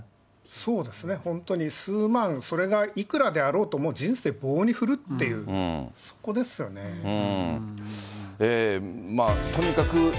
そうですね、本当に数万、それがいくらであろうとも、もう人生棒に振るっていう、そこです２１億